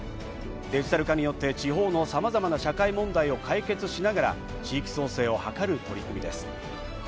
デジタル化によって地方のさまざまな社会問題を解決しながら地域創生を図る取り組みです。